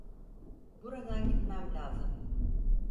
Buradan gitmem lazım.